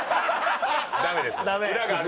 ダメです。